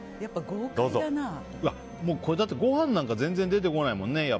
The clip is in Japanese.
これ、だってご飯なんか全然出てこないもんね。